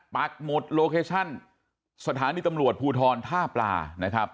ปักหมดโลเคชั่นสถานีตำรวจภูทรท่าปลานะครับ